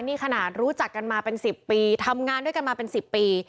นี่ขนาดรู้จักกันมาเป็น๑๐ปีทำงานด้วยกันมาเป็น๑๐ปี